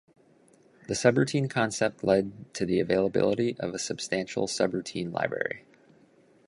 The subroutine concept led to the availability of a substantial subroutine library.